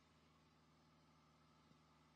احمدشاه بابا د عدالت لپاره هلې ځلې وکړې.